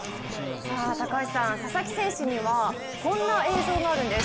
高橋さん、佐々木選手にはこんな映像があるんです。